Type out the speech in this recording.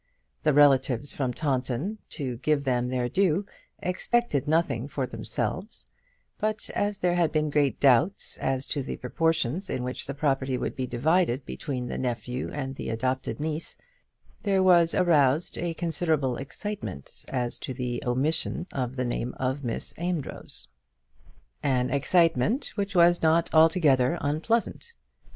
The relatives from Taunton, to give them their due, expected nothing for themselves; but as there had been great doubt as to the proportions in which the property would be divided between the nephew and adopted niece, there was aroused a considerable excitement as to the omission of the name of Miss Amedroz an excitement which was not altogether unpleasant.